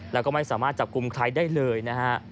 แล้วก็ไม่สามารถจับกลุ่มใครได้เลยนะฮะ